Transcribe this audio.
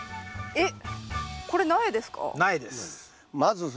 えっ？